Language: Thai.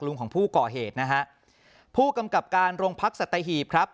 ของผู้ก่อเหตุนะฮะผู้กำกับการโรงพักสัตหีบครับ